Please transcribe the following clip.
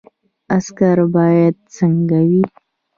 عسکر باید څنګه وي؟